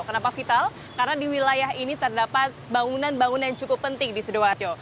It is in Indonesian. kenapa vital karena di wilayah ini terdapat bangunan bangunan yang cukup penting di sidoarjo